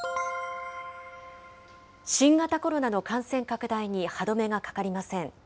新型コロナの感染拡大に歯止めが掛かりません。